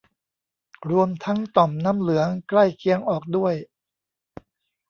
รวมทั้งต่อมน้ำเหลืองใกล้เคียงออกด้วย